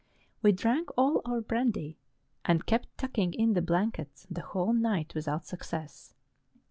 We drank all our brandy, and kept tucking in the blankets the whole night without success.